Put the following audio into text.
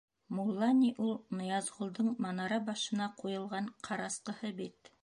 Мулла ни ул Ныязғолдоң манара башына ҡуйылған ҡарасҡыһы бит.